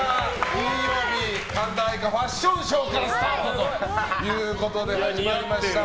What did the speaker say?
金曜日神田愛花ファッションショーからスタートということで始まりました。